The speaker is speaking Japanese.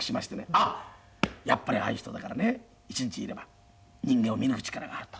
あっやっぱりああいう人だからね１日いれば人間を見抜く力があると。